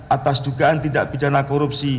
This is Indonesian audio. atas dugaan tindak pidana korupsi